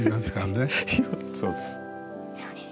そうです。